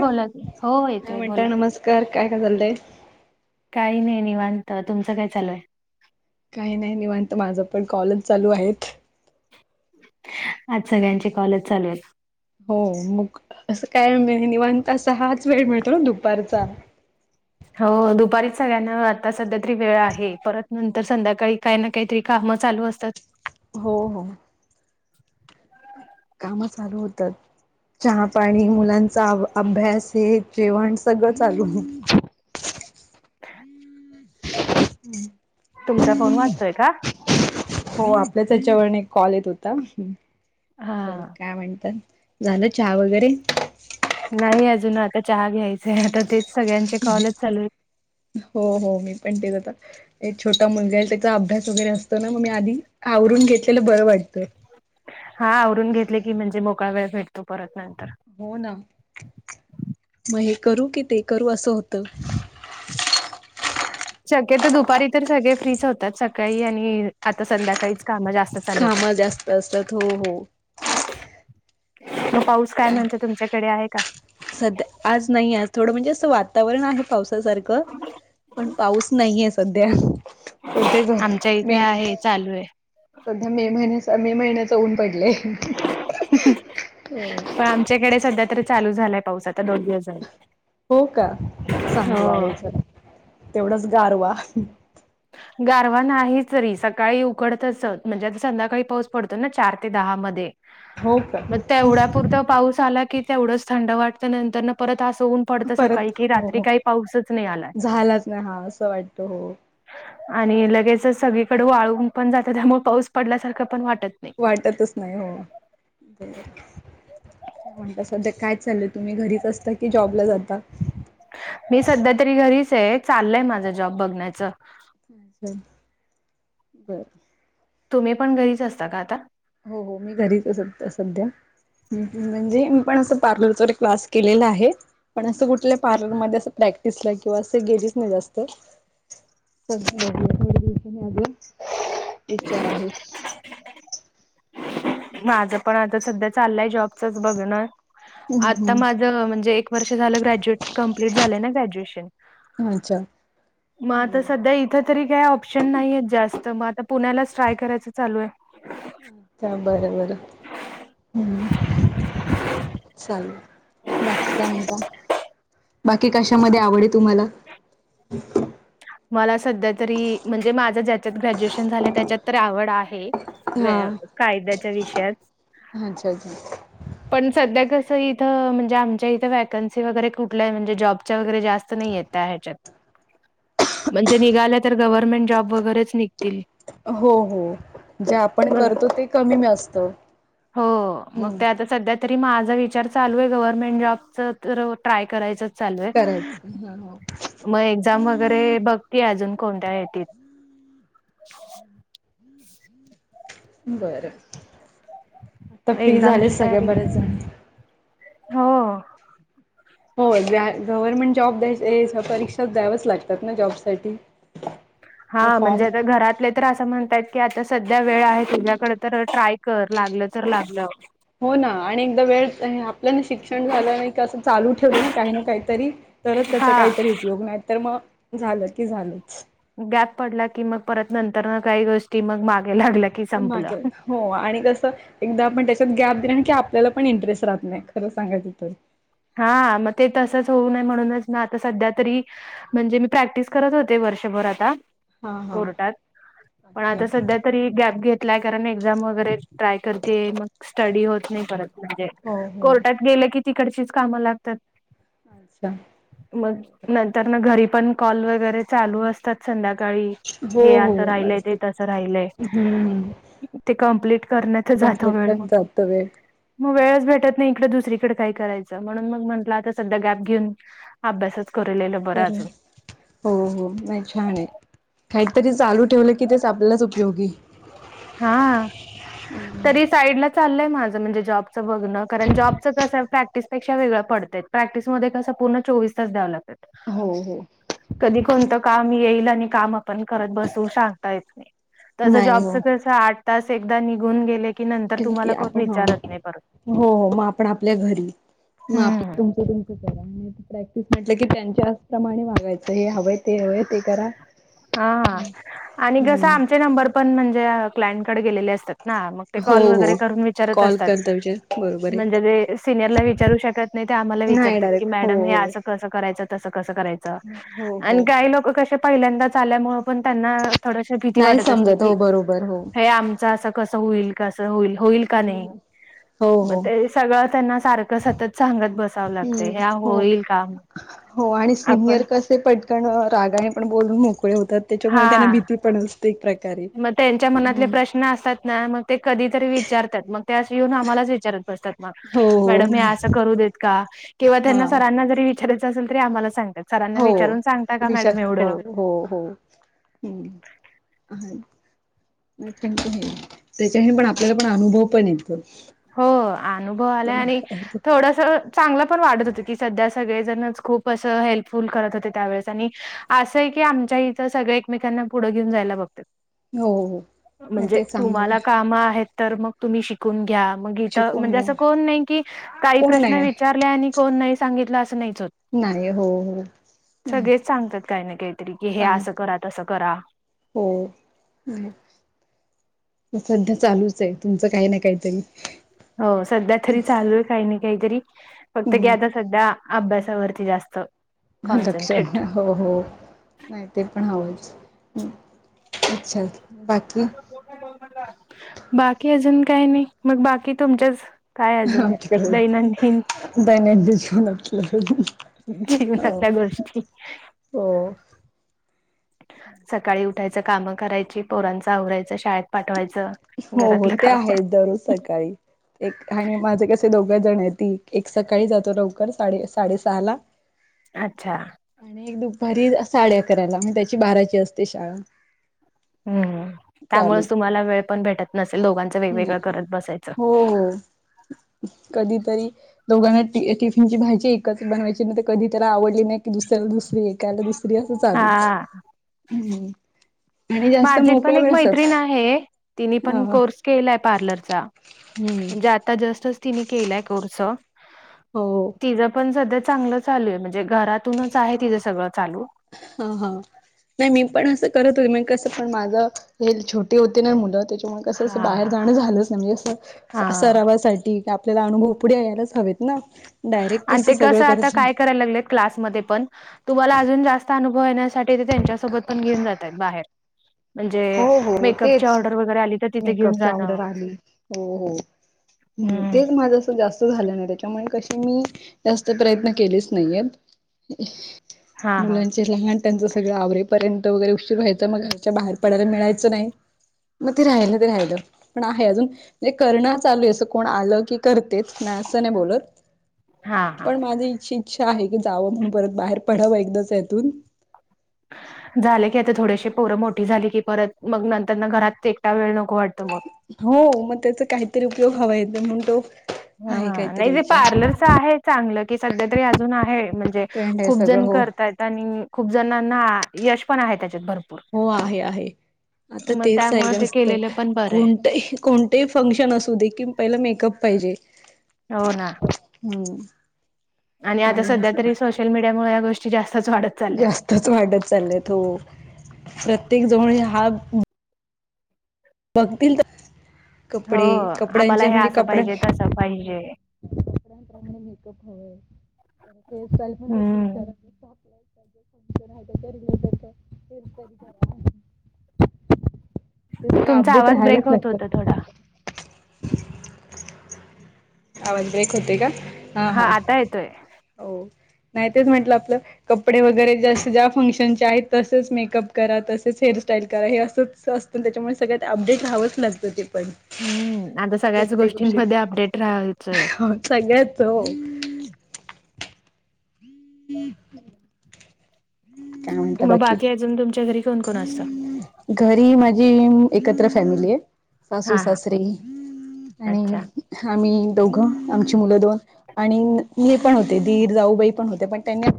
बोला की हो येतोय बोला कर काय का चाललंय काही नाही निवांत तुमचं काय चालूय काही नाही निवांत माझ पण कॉलेज चालू आहेत आज सगळ्यांचे कॉल च चालुआयत हो मग असं काय [unintelligible] निवांत तसा हाच वेळ मिळतो ना दुपारचा हो दुपारीच सगळ्यांना आता सध्या तरी वेळ आहे परत नंतर संध्याकाळी काही ना काहीतरी कामं चालू असतात. हो हो. काम चालू होतात. चहा पाणी मुलांचा अभ्यास हे जेवण सगळं चालू. [unintelligible] तुमचा फोन वाचतोय का हो आपल्याच याच्यावरन एक कॉल येत होता बर हा. काय म्हणतात झालं चहा वगैरे नाही अजून आता चहा घ्यायचंय आता तेच सगळ्यांचे कॉल च चालूय हो हो मी पण तेच आता एक छोटा मुलगाय त्याचा अभ्यास वगैरे असतो ना मग मी आधी आवरून घेतलेला बरं वाटतंय हा आवरून घेतलं की म्हणजे मोकळा वेळ भेटतो परत नंतर हो ना म हे करू कि ते करू असं होतं शक्यतो दुपारी तर सगळे फ्री च होतात सकाळी आणि आता संध्याकाळीच कामं जास्त चालू होतात. कामं जास्त असतात हो हो मग पाऊस काय म्हणतोय तुमच्याकडे आहे का सध्य आज नाहीय आज थोडं म्हणजे असं वातावरण आहे पाऊस अस सारखं पण पाऊस नाहीये सध्या सध्या ग आमच्या इथे मे आहे चालुआय सध्या मे महिन्या मे महिन्याच ऊन पडलय. पण आमच्याकडे सध्या तरी चालू झालाय पाऊस आता दोन दिवस झाले. हो का चांगला हो. विचार आहे तेवढाच गारवा. गारवा नाही तरी सकाळी उकडत असत म्हणजे आता संध्याकाळी पाऊस पडतो ना चार ते दहा मध्ये. हो का मग तेवढ्यापुरत पाऊस आला की तेवढंच थंड वाटत नंतर परत अस ऊन पडत सकाळी परत कि हो रात्री हो काही पाऊसच नाही आलाय. झालाच हा असं वाटतं हो. आणि लगेचच सगळीकडे वाळून पण जातं त्यामुळे पाऊस पडल्यासारखं पण वाटत नाही. वाटतच नाही हो. म्हणता सध्या काय चाललंय तुम्ही घरीच असता कि जॉबला जाता. मी सध्या तरी घरीच आहे चाललय माझा जॉब बघण्याचं. हम हो. तुम्ही पण घरीच असता का आता? हो हो मी घरीच असते सध्या. म्हणजे मीपण असं पार्लरचा एक क्लास केलेला आहे. पण असं कुठल्या पार्लरमध्ये अस प्रॅक्टिसला किंवा असं गेलीच नाही जास्त. [unintelligible] माझं पण आता सध्या चाललंय जॉबचंच बघण. आता माझं म्हणजे एक वर्ष झालं ग्रॅज्युएट कंप्लीट झालंय ना ग्रॅज्युएशन. अच्छा. मग आता सध्या इ आता तरी काय ऑप्शन नाहीय जास्त मग आता पुण्यालाच ट्राय करायचं चालू आहे. [unintelligible] चालेल बाकी काय म्हणता? बाकी कशामध्ये आवड आहे तुम्हाला? मला सध्या तरी म्हणजे माझ ज्याच्यात ग्रॅज्युएशन झालं त्याच्यात तर आवड आहे. कायद्याच्या विषयात हा अच्छा अच्छा. पण सध्या कसं इथं म्हणजे आमच्या इथं व्हॅकन्सी वगैरे कुठल्या आहे म्हणजे जॉबच्या वगैरे जास्त नाही आहेत. त्या हेच्यात. [inaudible] म्हणजे निघालं तर गव्हर्नमेंट जॉब वगैरेच निघतील. हो हो जे आपण बरं. करतो ते कमी नसत. हो मग त्या आता सध्या तरी माझा विचार चालू आहे गव्हर्नमेंट जॉबच तर ट्राय करायचं. चालू आहे करायचं हा हा मग एक्झाम वगैरे बघतीय अजून कोणत्या येतीत. बर आता फ्री झाले एक्झामची सगळे तयारी बरेच जण. हो. हो जा गव्हर्नमेंट जॉब द्या परीक्षा द्यावच लागतात ना जॉब साठी. हा म्हणजे आता घरातले तर असं म्हणतात की आता सध्या वेळ आहे तुझ्याकडे तर ट्राय कर लागलं तर लागलं. हो ना आणि एकदा वेळ आपल्यान शिक्षण झालं नाही क असं चालू ठेवलं ना काही ना काहीतरी तरच त्याचा हा काहीतरी उपयोग नाही तर मग झालं की झालंच. गॅप पडला की मग परत नंतर ना काही गोष्टी मग मागे लागल्या की संपलं [unintelligible] हो आणि कसं एकदा आपण त्याच्यात गॅप दिणार की आपल्याला पण इंटरेस्ट राह नाही खरं सांगायचं तर. हा मग ते तसंच होऊ नाहीये म्हणूनच ना आता सध्या तरी म्हणजे मी प्रॅक्टिस करत होते वर्षभर आता हा हा कोर्टात पण अच्छा आता सध्या तरी गॅप घेतलाय कारण एक्झाम वगैरे ट्राय करते मग स्टडी होत नाही परत. म्हणजे हो हो कोर्टात गेलं की तिकडचीच कामं लागतात. अच्छा मग नंत तर ना घरी पण कॉल वगैरे चालू असतात संध्याकाळी हो हे हो असं राहिलंय ते तसं राहिलय हम्म ते कंप्लीट करण्यात कंप्लीट पण जातं वेळ म वेळेस भेटत नाही इकडे दुसरीकडे काय कराय म्हणून मग म्हंटलं आता सध्या गॅप घेऊन अभ्यासच करलेलं बरं कारण अजून. हो हो नाही छान आहे काहीतरी चालू ठेवलं की तेच आपल्यालाच उपयोगी. हा. तरी साईडला चाललंय माझं म्हणजे जॉबचं बघणं कारण जॉबचं कसं प्रॅक्टिसपेक्षा वेगळं पडतय. प्रॅक्टिसमध्ये कसं पूर्ण चोवीस तास द्याव लागतं. हो हो. कधी कोणतं काम येईल आणि काम आपण करत बसू सांगता येत नाही. तसं नाही जॉबच हो कसं आठ तास एकदा निघून गेले की नंतर तुम्हाला [unintelligible] कोण आपण हो विचारत नाही परत. हो मग आपण आपल्या घरी. मा हम्म. तुमचं तुमचं करा आणि प्रॅक्टिस म्हटलं की त्यांच्या प्रमाणे वागायचं हे हवं हा हा आणि कसा हम्म आमचे नंबर पण म्हणजे क्लायंटकडे गेलेले असतात. ना मग ते हो कॉल वगैरे हो करून विचारत कॉल असतात करता विचार बरोबर म्हणजे आहे वे सिनियरला विचारू शकत नाही ते आम्हाला नाही विचारतात की डायरेक्ट मॅडम हे हो असं कसं करायचं तसं कसं करायचं. हो हो आणि हो काही लोक कशे पहिल्यांदाच आल्यामुळे पण त्यांना थोड अशे भीती नाही वाटत असते समजत की हो बरोबर हो हे आमचा असं कसं होईल कसं होईल होईल का नाही? हो मग हो ते सगळं त्यांना सारखं सतत सांगत बसावं हम्म लागते ह्या हो होईल काम हो आणि सिनियर ते पटकन रागाने पण बोलून मोकळे होतात त्याच्यामुळे त्याना हा भीती पण अस ते एक प्रकार आहे. न असतात ना मग ते कधी तरी विचारतात मग त्यास येऊन आम्हालाच विचारत हो मॅडम हे अस नाही करू देत का? किंवा हा त्यांना सरांना जरी विचाराय चा असेल तरी आम्हाला सांगतात. सरांना हो विचारून सांगता का विशा मॅडम हो एवढं हो हो. नाय त्यांचा हे त्याच्या ही पण आपल्याला पण अनुभव पण येतो. हो अनुभव तर आलाय आणि मग थोडसा चांगलं पण वाढत होत की सध्या सगळेजणच खूप असं हेल्पफुल करत होते त्यावेेळेस आणि असं आहे की आमच्या इथं सगळे एकमेकांना पुढं घेऊन जायला बघतात. हो हो नाही म्हणजे ते चांगलं आहे तुम्हाला कामं आहेत तर मग तुम्ही शिकून घ्या मग इथं शिकवून म्हणजे असं घेऊन कोण नाही की काही कोण प्रश्न नाही विचा रला कोण नाही सांगितलं असं नाहीच होत. नाही हो हो नाही सगळेच सांगतात काही ना काहीतरी कि हे असं सांगत करा तसं करा. हो हम्म. सध्या चालूच आहे तुमचं काही ना काहीतरी. हो सध्या तरी चालू आहे काही ना काहीतरी फक्त हम्म गेद सध्या अभ्यासावरती जास्त. म दक्षण कॉन्सन्ट्रेट हा. हो हो नाही ते पण हवंच अच्छा बाकी? बाकी अजून काही नाही मग बाकी तुमच्याच. काय अजून आमची तर दैनंदिन रोज दैनंदी जीवन. [unintelligible] जीवनातल्या गोष्टी हो सकाळी उठायचं, काम करायची, पोरांच आवरायचं शाळे हो हो ते आहे दररोज सकाळी. एक आणि माझे कसे दोघं जण आहेत ती एक सकाळी जातो लवकर साडे साडेसहा ला हो अच्छा! आणि एक दुपारी साडे अकराला. म त्याची बाराची असते शाळा. हम्म. चालू त्यामुळेच तुम्हाला वेळ पण भेटत नसेल. दोघांचं हो वेगवेगळं करत बसायचं. हो कधीतरी- दोघांना ट टिफिन ची भाजी एकच बनवायची. म ते कधी त्याला आवडली नाही की दुसऱ्याला दुसऱ- एकाला दुसरी असं चालूच. हा हम्म. आणि जास्त माझी पण मोकळ्या एक वेळ असच मैत्रिण आहे. तिने अ पण कोर्स- केलाय पार्लरचा. हम्म. म्हणजे आता जस्टच तिने केलाय कोर्स. हो तिच पण सध्या चांगलं चालू आहे. म्हणजे घरातूनच आहे तिच सगळं चालू. ह ह. नाही मी पण असं करत होते. मग कसं? पण माझं हे छोटी होती ना मुलं त्या- कसं असं हा. बाहेर जाणं झालंच नाही. म्हणजे अस हा सरावासाठी क- थोडे अनुभव इकडे यायलाच हवेत ना. डायरेक्ट आणि ते सगळं कसं? आता करत काय करायला लागलेत क्लासमध्ये पण- तुम्हाला अजून जास्त अनुभव येण्यासाठी ते त्यांच्यासोबत पण घेऊन जातात बाहेर. म्हणजे राह हो हो मेकअपची तेच ऑर्डर वगैरे आली तर- तिथे घेऊन मेकअपची जाणं. ऑर्डर आली. हो हो. हम्म. तेच माझ- जास्त झाल्या नाही. त्याच्यामुळे कशी मी जास्त प्रयत्न केलेच नाहीयेत. हा हा मुलांची- लहान त्यांचं सगळं आवरेपर्यंत वगैरे उशीर व्हायचा. मला घराच्या बाहेर पडायला मिळायचं नाही. मग ते राहिलं ना ते राहिलं पण आहे अजून. म्ह करणं चालू आहे. असं कोण आलं की करतेच. नाही असं नाही बोलत. हां. पण माझी अशी इच्छा आहे की, जावं म्हणून परत बाहेर पडावं एकदाच यातून- हम् झाले की आता. थोडेशे पोरं मोठी झाली की परत, मग नंतर ना घरात एकटा वेळ नको वाटतो मग. हो. मग त्याचा काहीतरी उपयोग हवा [unintelligible] तो- आहे हा. काहीतरी नाही तेे विचार पार्लरच आहे चांगलं की सध्या तरी अजून आहे म्हणजे- ट्रेंडए सगळ हो. करता येत आणि खूप जणांना यश पण आहे त्याच्यात भरप- हो. आहे आहे. आता तेच आहे त्यामुळे ते जास्त. केलेलं पण बरं आहे कोणतही- कोणतही फंक्शन असू दे कि पहिला मेकअप पाहिजे. हो ना. हम्म. आणि आता काही सध्या अस तरी सोशल मीडियामुळे या गोष्टी जास्तच वाढत- चालल्यात. जास्तच वाढत चालल्यात. हो. प्रत्येकजण आणि हा- बघतील तर- हो कपडे. आम्हाला कपड्यांच्या हे म्हणजे असं कपड्यां पाहिजे तसं [inaudible] पाहिजे मेकअप हवंय. हेयर स्टाईल पण तशीच हम्म [unintelligible] [unintelligible] ते सगळ तुमचा अपडेट आवाज राहायलाच ब्रेक होत लागत. होता थोडा. आवाज ब्रेक होतोय का? हा हा. आता येतोय हो नाही तेच म्हटलं आपलं- कपडे वगैरे जस ज्या फंक्शनचे आहेत. तसच मेकअप करा. तसच हेअरस्टाईल करा हे असं- असतं. त्याच्यामुळे सगळ्यात अपडेट रहावंच लागतं ते पण. हम्म. आता सगळ्याच प्रत्येक गोष्टींमध्ये अपडेट राहायचंय. सगळ्याच हो. हम्म. काय म्हणता बाकी? अजून तुमच्या घरी कोण कोण- घरी माझी एकत्र फॅमिली ये. सासू हा हा सासरे आणि अच्छा आम्ही दोघं आमची मुलं दोन आणि नीर पण होते दीर जाऊबाई पण होत्या पण त्यांनी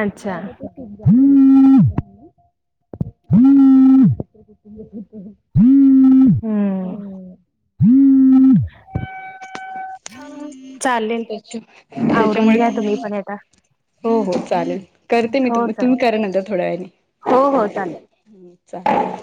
अच्छा त्याच्या [unintelligible] हूं [unintelligible] त्याच्या आवरून त्याच्यामुळे घ्या तुम्ही [unintelligible] पण आता. हो हो चालेल करते मी हो तु तुम्ही चालेल करा नंतर थोड्या हो हो चालेल. वेळानी हं चाले